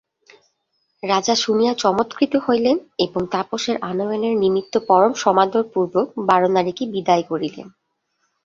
রাজা শুনিয়া চমৎকৃত হইলেন এবং তাপসের আনয়নের নিমিত্ত পরম সমাদর পূর্বক বারনারীকে বিদায় করিলেন।